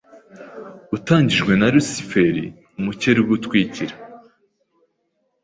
utangijwe na Lusiferi, Umukerubi utwikira.